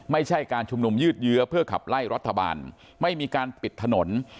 ไม่ใช่การชุมนุมยืดเยื้อเพื่อขับไล่รัฐบาลไม่มีการปิดถนน